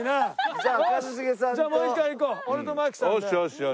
じゃあもう一回いこう。